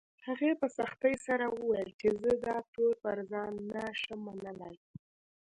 هغې په سختۍ سره وويل چې زه دا تور پر ځان نه شم منلی